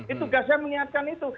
itu tugasnya menyiapkan itu